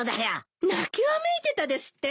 泣きわめいてたですって？